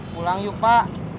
pulang yuk pak